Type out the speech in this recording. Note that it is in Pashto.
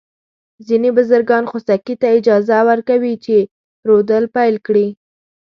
ځینې بزګران خوسکي ته اجازه ورکوي چې رودل پيل کړي.